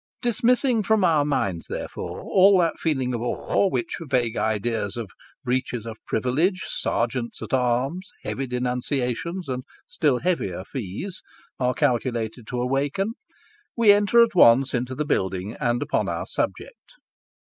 Dismissing from our minds, therefore, all that feeling of awe, which vague ideas of breaches of privilege, Serjeant at Arms, heavy denunciations, and still heavier fees, are calculated to awaken, we enter at once into the building, and upon our subject.